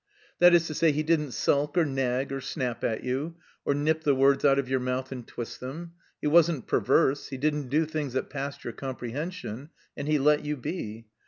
That is to say, he didn't sulk or nag or snap at you; or nip the words out of your mouth and twist them; he wasn't perverse; he didn't do things that passed your comprehension, and he let you be.